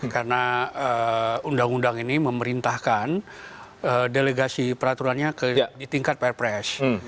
karena undang undang ini memerintahkan delegasi peraturannya di tingkat perpres